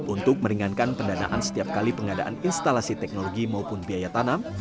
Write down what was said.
untuk meringankan pendanaan setiap kali pengadaan instalasi teknologi maupun biaya tanam